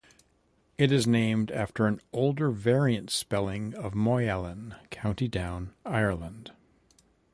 It is named after an older variant spelling of Moyallen, County Down, Ireland.